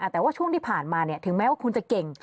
แต่ว่าช่วงที่ผ่านมาถึงแม้ว่าคุณจะเก่ง